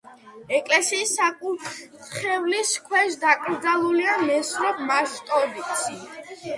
ეკლესიის საკურთხევლის ქვეშ დაკრძალულია მესროპ მაშტოცი.